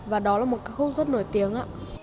và đó là một ca khúc rất nổi tiếng